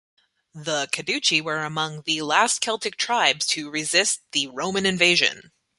The Cadurci were among the last Celtic tribes to resist the Roman invasion.